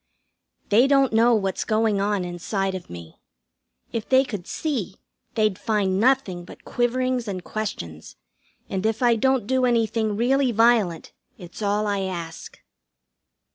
They don't know what's going on inside of me. If they could see they'd find nothing but quiverings and questions, and if I don't do anything really violent it's all I ask.